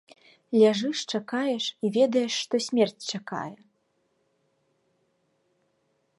Ляжыш, чакаеш і ведаеш, што смерць чакае.